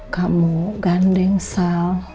kamu gandeng sal